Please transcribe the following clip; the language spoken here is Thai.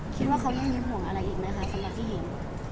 คิดว่าเขายังมีห่วงอะไรอีกไหมคะสำหรับที่เห็น